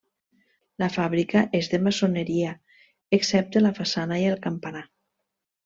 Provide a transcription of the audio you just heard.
La fàbrica és de maçoneria excepte la façana i el campanar.